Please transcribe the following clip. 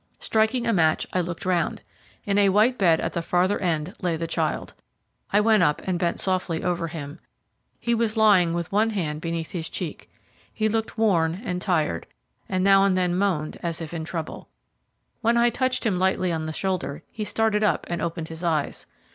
Striking a match I looked round. In a white bed at the farther end lay the child. I went up and bent softly over him. He was lying with one hand beneath his cheek. He looked worn and tired, and now and then moaned as if in trouble. When I touched him lightly on the shoulder he started up and opened his eyes.